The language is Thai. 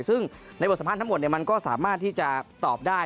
ซึ่งในบทสัมภาษณ์ทั้งหมดมันก็สามารถที่จะตอบได้